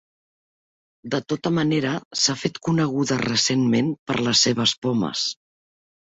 De tota manera, s'ha fet coneguda recentment per les seves pomes.